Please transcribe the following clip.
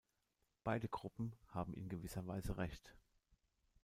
Beide Gruppen haben in gewisser Weise recht.